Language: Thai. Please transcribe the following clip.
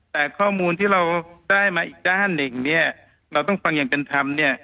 แต่ข้อมูลที่เราได้มาอีกด้านหนึ่งเนี่ยเราต้องฟังอย่างเป็นธรรมเนี่ย